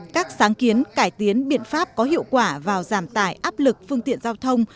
các sáng kiến cải tiến biện pháp có hiệu quả vào giảm tải áp lực phương tiện giao thông